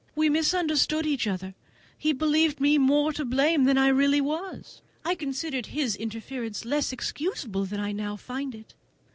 We misunderstood each other: he believed me more to blame than I really was; I considered his interference less excusable than I now find it.